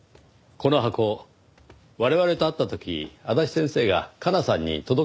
この箱我々と会った時足立先生が加奈さんに届けに来たものですよね。